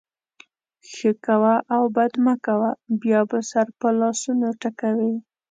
ښه کوه او بد مه کوه؛ بیا به سر په لاسونو ټکوې.